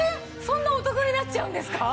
そんなお得になっちゃうんですか？